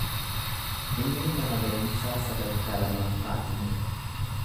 Inni mana barumsaa sadarkaa lammaffaa xumure.